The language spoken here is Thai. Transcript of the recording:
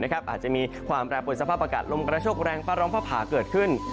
อาจจะมีความแปรปวนสภาพอากาศลมกระโชคแรงฟ้าร้องฟ้าผ่าเกิดขึ้น